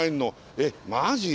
えっマジで？